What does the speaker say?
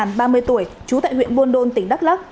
tổ công tác nhàn ba mươi tuổi trú tại huyện buôn đôn tỉnh đắk lắk